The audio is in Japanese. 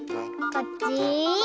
こっち？